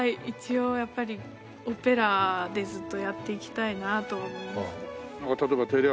一応やっぱりオペラでずっとやっていきたいなと思いますね。